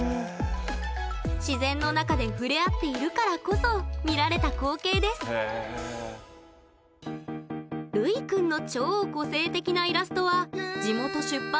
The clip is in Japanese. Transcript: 自然の中で触れ合っているからこそ見られた光景でするいくんの超個性的なイラストは地元出版社の目に留まり